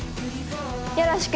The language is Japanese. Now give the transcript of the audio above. よろしく。